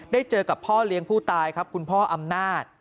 เจอกับพ่อเลี้ยงผู้ตายครับคุณพ่ออำนาจ